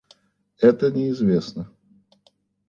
Это неизвестно